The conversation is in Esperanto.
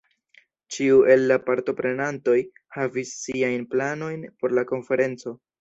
Ĉiu el la partoprenantoj havis siajn planojn por la konferenco.